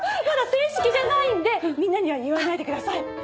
まだ正式じゃないんでみんなには言わないでください。